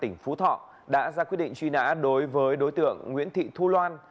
tỉnh phú thọ đã ra quyết định truy nã đối với đối tượng nguyễn thị thu loan